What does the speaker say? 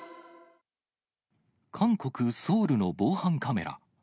韓国・ソウルの防犯カメラ。